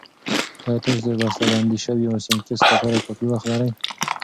ایا تاسو د بستهبندي شويو سنکس لپاره کافي وخت لرئ؟